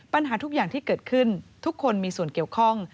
ปัญหาทุกอย่างที่เกิดขึ้นทุกคนมีส่วนเกี่ยวข้อง